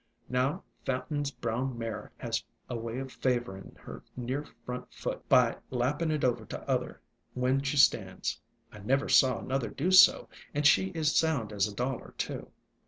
Now, Fanton's brown mare has a way of favorin' her near front foot by lappin' it over t' other when she stands. I never saw another do so, and she 's sound as a dollar, too.